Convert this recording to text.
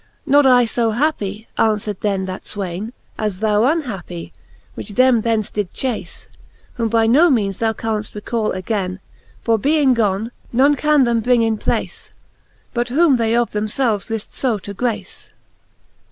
XX. Not I fo happy, anfwerd then that fwaine, As thou unhappy, which them thence didft chace, Whom by no meanes thou canft recall againe j For being gone, none can them bring in place, But whom they of them felves lift fo to grace.